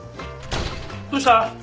どうした？